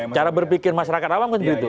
cara berpikir masyarakat awam kan begitu